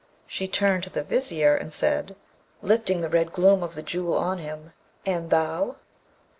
She turned to the Vizier, and said, lifting the red gloom of the Jewel on him, 'And thou?'